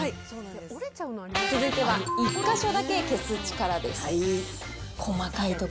続いては１か所だけ消す力です。